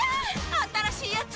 新しいやつ！